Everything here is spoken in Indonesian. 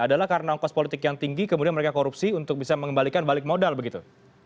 adalah karena ongkos politik yang tinggi kemudian mereka korupsi untuk bisa mengembalikan balik modal begitu